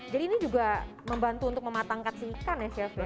jadi ini juga membantu untuk mematangkan si ikan ya chef ya